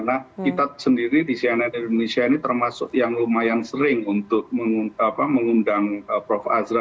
nah kita sendiri di cnn indonesia ini termasuk yang lumayan sering untuk mengundang prof azra